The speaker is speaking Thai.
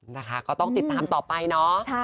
นะคะก็ต้องติดตามต่อไปเนาะ